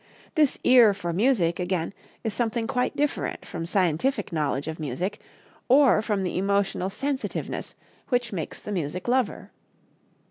This ear for music, again, is something quite different from scientific knowledge of music or from the emotional sensitiveness which makes the music lover.